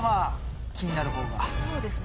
そうですね。